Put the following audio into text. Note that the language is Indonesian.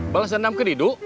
balas dendam ke didu